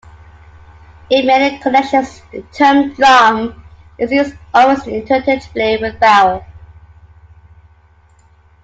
In many connections the term "drum" is used almost interchangeably with "barrel".